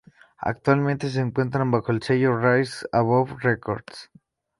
Actualmente se encuentran bajo el sello Rise Above Records.